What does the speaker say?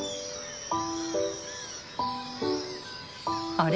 あれ？